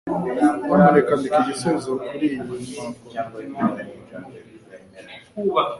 Nyamuneka andika igisubizo kuriyi mpapuro.